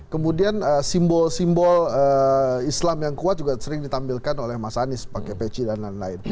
kemudian simbol simbol islam yang kuat juga sering ditampilkan oleh mas anies pakai peci dan lain lain